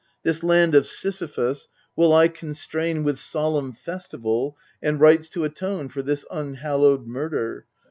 This land of Sisyphus Will I constrain with solemn festival And rites to atone for this unhallowed murder.